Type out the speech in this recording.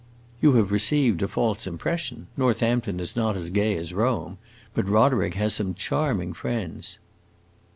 "You have received a false impression. Northampton is not as gay as Rome, but Roderick had some charming friends."